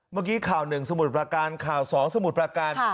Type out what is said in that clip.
เมื่อกี้ข่าวหนึ่งสมุทรประการข่าว๒สมุทรประการ